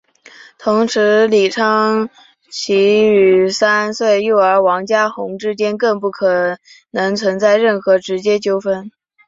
同时李昌奎与三岁幼儿王家红之间更不可能存在任何直接纠纷。